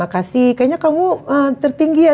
kasih kayaknya kamu tertinggi ya